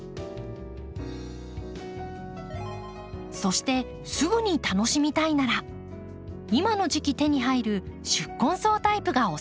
そしてすぐに楽しみたいなら今の時期手に入る宿根草タイプがおすすめ。